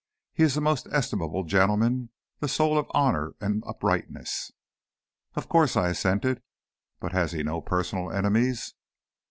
"He is a most estimable gentleman, the soul of honor and uprightness." "Of course," I assented; "but has he no personal enemies?"